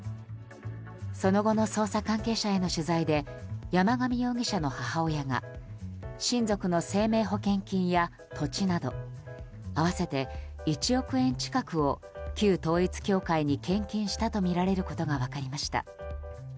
その後の捜査関係者への取材で山上容疑者の母親が親族の生命保険金や土地など合わせて１億円近くを旧統一教会に献金したとみられることが分かりました。